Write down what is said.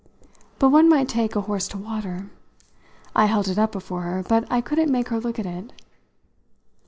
But one might take a horse to water ! I held it up before her, but I couldn't make her look at it.